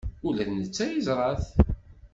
Ula d netta yeẓra-t.